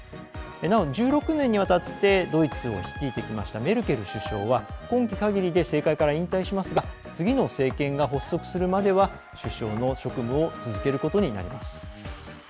なお１６年にわたってドイツを率いてきましたメルケル首相は、今期かぎりで政界から引退しますが次の政権が発足するまでは首相の職務を続けることになります。